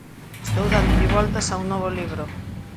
Estou dándolle voltas a un novo libro.